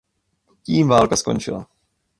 Tím válka skončila.